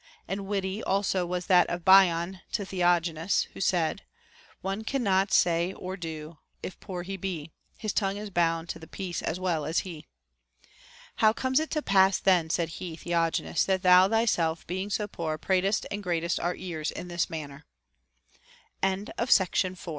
And witty also was that of Bion to Theognis, who said, — One can not say nor do, if poor lie be ; His tongue is bound to th' peace, as well as he.* How comes it to pass then, said he, Theognis, that thou thyself being so poor pratest and gratest our ears in this manner I 5.